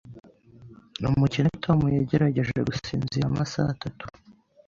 Umukene Tom yagerageje gusinzira amasaha atatu.